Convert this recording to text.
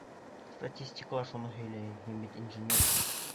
Статистика ла шуны һөйләй, һин бит инженер.